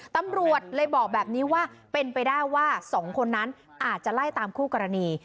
ตำรวจเลยบอกแบบนี้ว่าเป็นไปได้ว่าสองคนนั้นอาจจะไล่ตามคู่กรณี